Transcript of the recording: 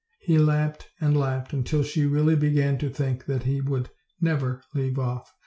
He lapped and lapped until she really began to think that he would never leave off.